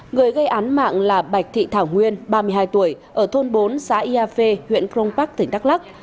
người gây án mạng là bạch thị thảo nguyên ba mươi hai tuổi ở thôn bốn xã ia phê huyện crong park tỉnh đắk lắc